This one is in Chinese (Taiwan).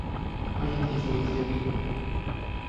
歡迎提出意見